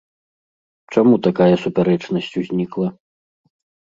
Чаму такая супярэчнасць узнікла?